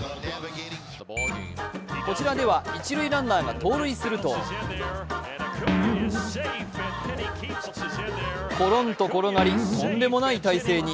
こちらでは、一塁ランナーが盗塁するとコロンと転がり、とんでもない体勢に。